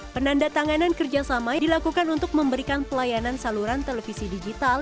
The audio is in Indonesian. penandatanganan kerjasama dilakukan untuk memberikan pelayanan saluran televisi digital